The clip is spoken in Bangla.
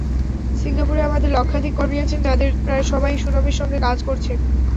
সিঙ্গাপুরে আমাদের লক্ষাধিক কর্মী আছেন, যাঁদের প্রায় সবাই সুনামের সঙ্গে কাজ করছেন।